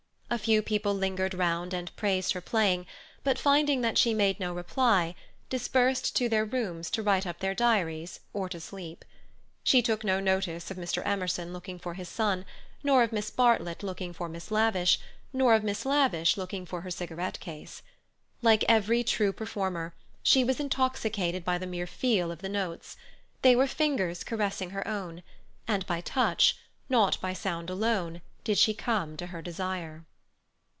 A few people lingered round and praised her playing, but finding that she made no reply, dispersed to their rooms to write up their diaries or to sleep. She took no notice of Mr. Emerson looking for his son, nor of Miss Bartlett looking for Miss Lavish, nor of Miss Lavish looking for her cigarette case. Like every true performer, she was intoxicated by the mere feel of the notes: they were fingers caressing her own; and by touch, not by sound alone, did she come to her desire.